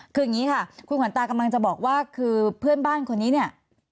คืออย่างนี้ค่ะคุณขวัญตากำลังจะบอกว่าคือเพื่อนบ้านคนนี้เนี่ย